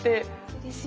うれしい。